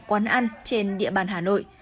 quán ăn trên địa bàn hà nội